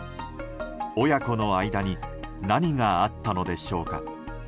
親子の間に何があったのでしょうか。